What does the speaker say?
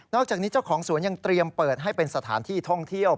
อกจากนี้เจ้าของสวนยังเตรียมเปิดให้เป็นสถานที่ท่องเที่ยว